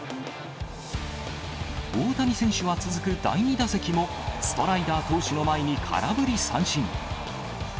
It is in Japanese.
大谷選手は続く第２打席も、ストライダー投手の前に空振り三振。